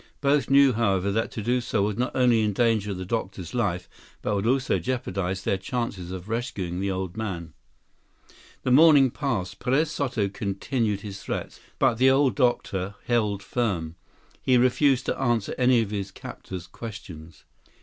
Both knew, however, that to do so would not only endanger the doctor's life, but would also jeopardize their chances of rescuing the old man. 154 The morning passed. Perez Soto continued his threats. But the old doctor held firm. He refused to answer any of his captor's questions.